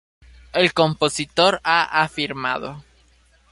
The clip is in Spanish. El compositor ha afirmado